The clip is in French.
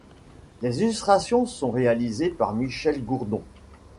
Les illustrations sont réalisées par Michel Gourdon.